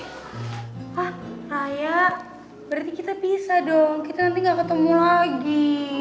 hah ayah berarti kita bisa dong kita nanti gak ketemu lagi